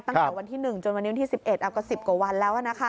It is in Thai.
ตั้งแต่วันวันที่๑จนวันนี้๑๑อับกว่า๑๐กว่าวันแล้ว